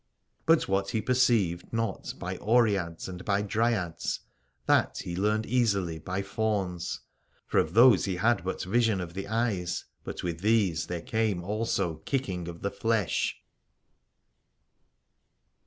But what he perceived not by Oreads and by Dryads, that he learned easily by Fauns : for of those he had but vision of the eyes, but with these there came also kicking of the flesh.